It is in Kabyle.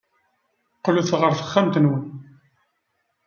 Qqlet ɣer texxamt-nwen.